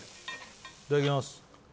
いただきます。